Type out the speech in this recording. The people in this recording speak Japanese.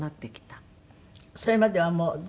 それまではもう。